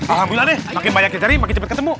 alhamdulillah deh makin banyaknya cari makin cepet ketemu